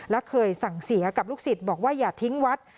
และเคยสั่งเสียกับลูกศิษย์บอกว่าอย่าทิ้งวัด